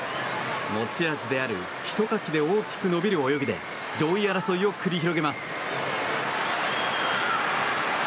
持ち味であるひとかきで大きく伸びる泳ぎで上位争いを繰り広げます。